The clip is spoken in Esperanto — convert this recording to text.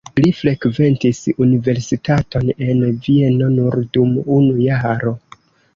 Li frekventis universitaton en Vieno nur dum unu jaro.